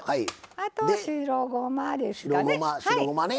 白ごまですかね。